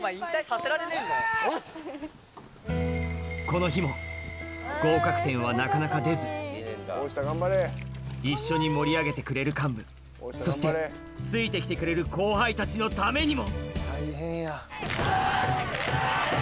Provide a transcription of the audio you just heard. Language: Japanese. この日もなかなか一緒に盛り上げてくれる幹部そしてついてきてくれる後輩たちのためにも